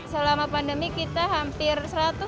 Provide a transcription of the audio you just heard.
selama pandemi kita hampir seratus